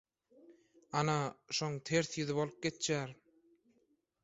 Ana, şoň ters ýüzi bolup geçýär.